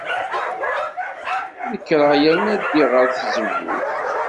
Nekreɣ yerna ddiɣ ɣer tzewwut.